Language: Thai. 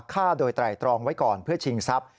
ฆ่าโดยไตรตรองไว้ก่อนเพื่อชิงทรัพย